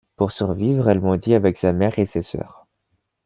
Pour survivre, elle mendie avec sa mère et ses sœurs.